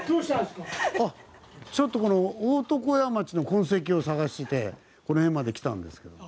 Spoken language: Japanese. ちょっと大床屋町の痕跡を探してこの辺まで来たんですけど。